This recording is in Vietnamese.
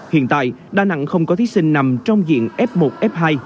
hiện tại đà nẵng không có thí sinh nằm trong diện f một f hai